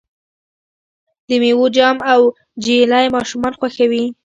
د میوو جام او جیلی ماشومان خوښوي.